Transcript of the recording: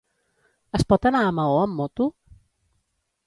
Es pot anar a Maó amb moto?